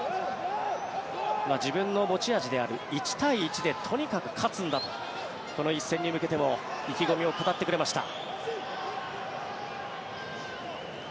自分の持ち味である１対１でとにかく勝つんだとこの一戦に向けても意気込みを語ってくれました。